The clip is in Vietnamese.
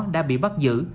đã bị bắt giữ